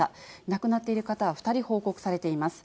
亡くなっている方は２人報告されています。